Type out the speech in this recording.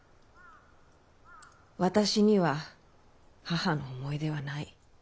私には母の思い出はない。